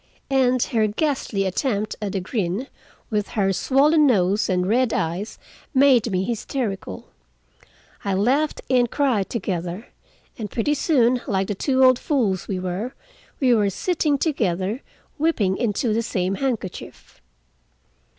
And her ghastly attempt at a grin, with her swollen nose and red eyes, made me hysterical. I laughed and cried together, and pretty soon, like the two old fools we were, we were sitting together weeping into the same handkerchief.